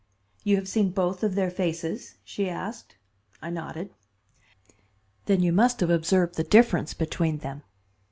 "You have seen both of their faces?" she asked. I nodded. "Then you must have observed the difference between them.